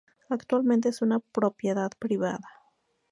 Actualmente es una propiedad privada.